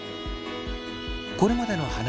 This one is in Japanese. これまでの話は。